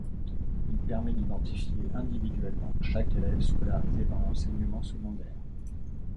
Il permet d’identifier individuellement chaque élève scolarisé dans l’enseignement secondaire.